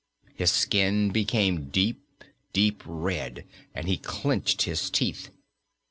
His skin became deep, deep red, and he clenched his teeth.